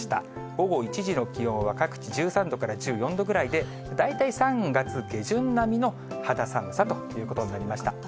午後１時の気温は各地１３度から１４度ぐらいで、大体３月下旬並みの肌寒さということになりました。